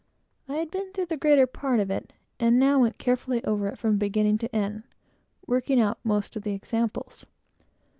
I had been through the greater part of it, and now went carefully through it, from beginning to end working out most of the examples.